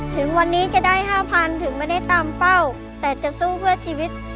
ถึงวันนี้จะได้๕๐๐๐ถึงไม่ได้ตามเป้าแต่จะสู้เพื่อชีวิต